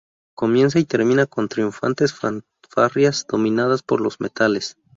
Comienza y termina con triunfantes fanfarrias dominadas por los metales.